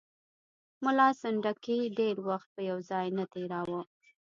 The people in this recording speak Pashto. ملا سنډکي ډېر وخت په یو ځای نه تېراوه.